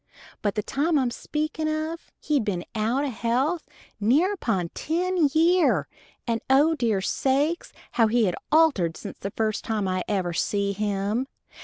But the time I'm speakin' of he'd been out o' health nigh upon ten year, and O dear sakes! how he had altered since the first time I ever see him!